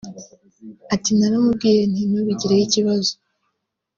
Ati “Naramubwiye nti ‘Ntubigireho ikibazo